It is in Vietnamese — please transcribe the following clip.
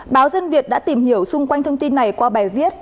báo dân việt đã tìm hiểu xung quanh thông tin này qua bài viết